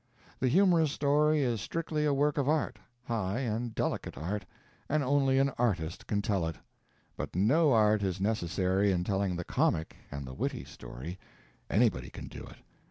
The humorous story is strictly a work of art high and delicate art and only an artist can tell it; but no art is necessary in telling the comic and the witty story; anybody can do it.